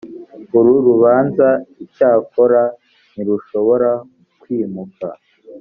uru rubanza icyakora ntirushobora kwimuka